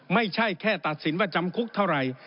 ไม่ใช่แค่ตัดสินว่าจำคุกเท่าไหร่